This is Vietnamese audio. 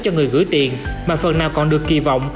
cho người gửi tiền mà phần nào còn được kỳ vọng